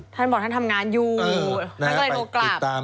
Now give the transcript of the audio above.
ท่านบอกท่านทำงานอยู่โทรกรัม